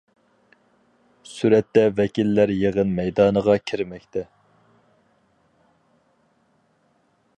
سۈرەتتە ۋەكىللەر يىغىن مەيدانىغا كىرمەكتە.